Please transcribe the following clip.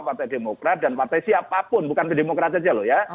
partai demokrat dan partai siapapun bukan ke demokrat saja loh ya